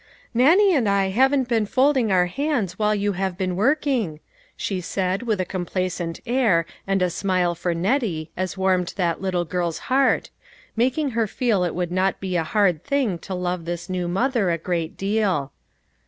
" Nannie and I haven't been folding our hands while you have been working," she said with a complacent air, and a smile for Nettie as warmed that little girl's heart, making her feel it would not be a hard thing to love this new mother a great deal.